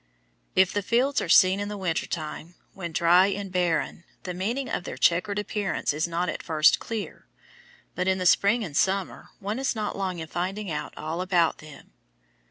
If the fields are seen in the winter time, when dry and barren, the meaning of their checkered appearance is not at first clear, but in the spring and summer one is not long in finding out all about them.